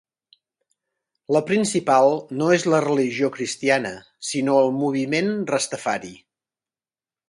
La principal no és la religió cristiana sinó el moviment Rastafari.